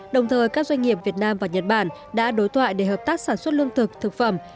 đồng thời các doanh nghiệp việt nam và nhật bản đã đối thoại để hợp tác sản xuất lương thực thực phẩm